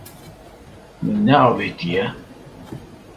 Min neavêtiye.